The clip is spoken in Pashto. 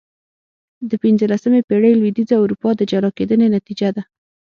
د پنځلسمې پېړۍ لوېدیځه اروپا د جلا کېدنې نتیجه ده.